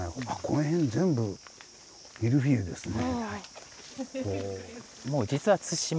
この辺全部ミルフィーユですね。